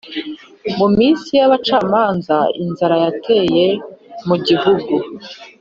Mu minsi yabacamanza inzara yateye mu gihugu